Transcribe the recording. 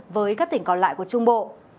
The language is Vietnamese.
với các tỉnh còn lại của trung bộ